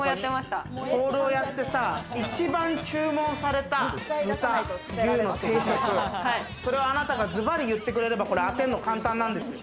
ホールをやってさ、一番注文された豚・牛の定食、それをあなたがズバリ言ってくれれば当てるの簡単なんですよ。